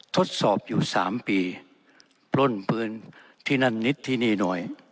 ทดสอบอยู่๓ปีปล้นพื้นที่นั่นนิดที่นี่หน่อย